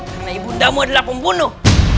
karena ibundamu adalah pembunuh